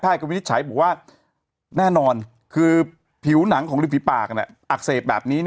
ก็วินิจฉัยบอกว่าแน่นอนคือผิวหนังของฤปากอักเสบแบบนี้